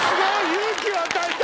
勇気を与えた！